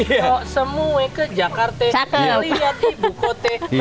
yuk semua ke jakarta lihat di bukotnya